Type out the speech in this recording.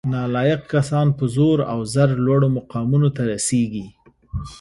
نالایق کسان په زور او زر لوړو مقامونو ته رسیږي